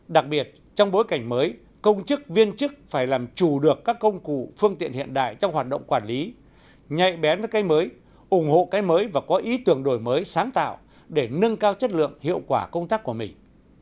đặc biệt trong bối cảnh mới công chức viên chức phải làm chủ được các công cụ phương tiện hiện đại trong hoạt động quản lý nhạy bén với cây mới ủng hộ cây mới và có ý tưởng đổi mới sáng tạo để nâng cao chất lượng hiệu quả công tác của mình